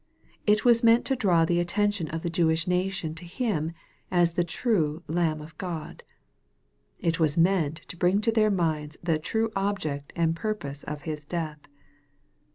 It was meant to draw the attention of 304 EXPOSITORY THOUGHTS. the Jewish nation to Him as the true Lamb of God. It was meant to hring to their minds the true object and purpose of His death.